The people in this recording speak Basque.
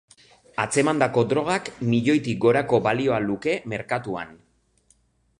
Atzemandako drogak milioitik gorako balioa luke merkatuan.